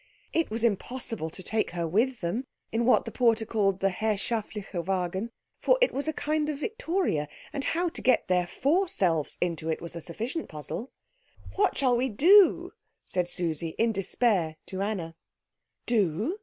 It was impossible to take her with them in what the porter called the herrschaftliche Wagen, for it was a kind of victoria, and how to get their four selves into it was a sufficient puzzle. "What shall we do?" said Susie, in despair, to Anna. "Do?